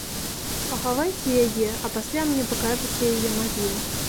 Пахавайце яе, а пасля мне пакажаце яе магілу.